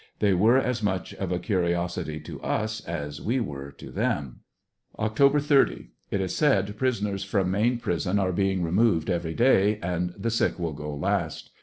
They were as much of a curiosity lo us as we were to them. Oct. 30. — It is said prisoners from main prison are being removed every day, and the sick will go last.